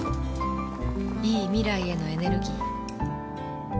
いい未来へのエネルギー